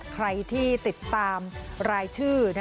ใครที่ติดตามรายชื่อ